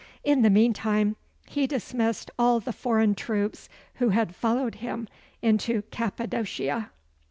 In the mean time he dismissed all the foreign troops who had followed him into Cappadocia.